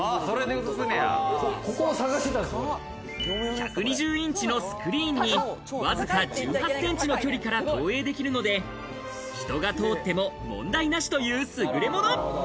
１２０インチのスクリーンにわずか１８ｃｍの距離から投影できるので人が通っても問題なしというすぐれもの。